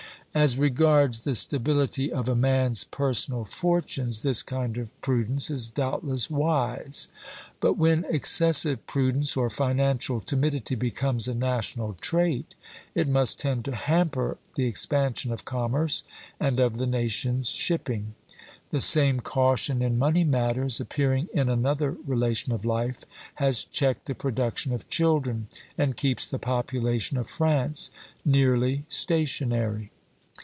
'" As regards the stability of a man's personal fortunes this kind of prudence is doubtless wise; but when excessive prudence or financial timidity becomes a national trait, it must tend to hamper the expansion of commerce and of the nation's shipping. The same caution in money matters, appearing in another relation of life, has checked the production of children, and keeps the population of France nearly stationary.